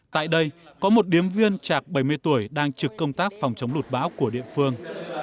tại đây có một điếm viên trạc bảy mươi tuổi đang trực công tác phòng chống lụt bão của địa phương